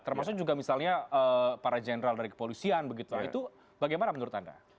termasuk juga misalnya para jenderal dari kepolisian begitu itu bagaimana menurut anda